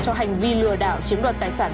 cho hành vi lừa đảo chiếm đoạt tài sản